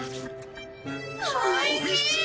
おいしい！